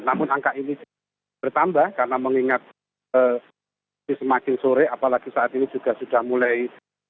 namun angka ini bertambah karena mengingat semakin sore apalagi saat ini juga sudah mulai